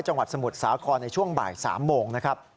จังหวัดสมุทรสาครในช่วงบ่าย๓โมงนะครับ